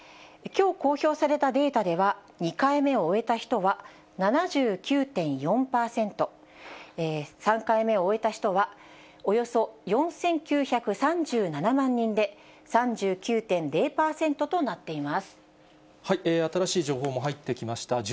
きょう公表されたデータでは、２回目を終えた人は７９．４％、３回目を終えた人はおよそ４９３７万人で、３９．０％とな新しい情報も入ってきました。